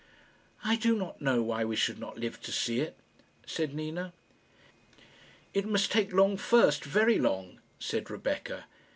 "I do not know why we should not live to see it," said Nina. "It must take long first very long," said Rebecca.